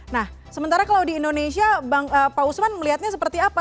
nah sementara kalau di indonesia pak usman melihatnya seperti apa